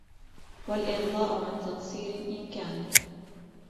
وَالْإِغْضَاءُ عَنْ تَقْصِيرٍ إنْ كَانَ